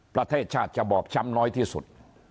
ประเทศชาติจะบอบช้ำน้อยที่สุด